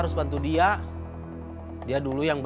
masih ber battlefield karena tengah